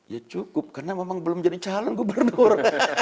ya cukup karena memang belum jadi calon gubernur